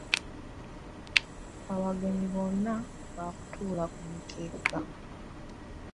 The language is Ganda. Abagenyi bonna baakutuula ku mikeeka.